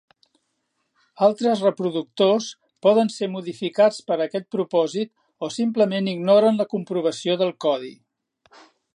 Altres reproductors poden ser modificats per aquest propòsit o simplement ignoren la comprovació del codi.